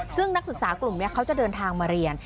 ซึ่งนักศึกษากลุ่มนี้เขาจะเดินทางมาเรียน